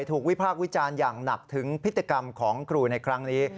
วิพากษ์วิจารณ์อย่างหนักถึงพฤติกรรมของครูในครั้งนี้